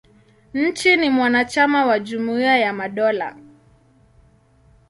Nchi ni mwanachama wa Jumuia ya Madola.